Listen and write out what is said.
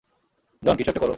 জন, কিছু একটা কর।